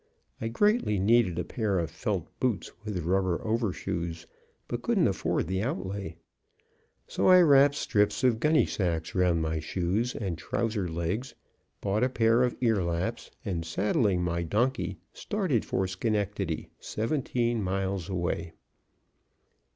I greatly needed a pair of felt boots with rubber overshoes, but couldn't afford the outlay. So I wrapped strips of gunnysacks round my shoes and trouser legs, bought a pair of earlaps, and saddling my donkey, started for Schenectady, seventeen miles away.